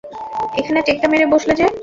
এখানে টেক্কা মেরে বসলে যে!